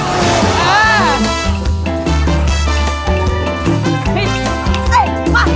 เอ๊ะมา